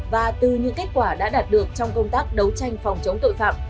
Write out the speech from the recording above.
và từ những kết quả đã đạt được trong công tác đấu tranh phòng chống tội phạm